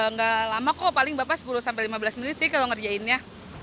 nggak lama kok paling bapak sepuluh sampai lima belas menit sih kalau ngerjainnya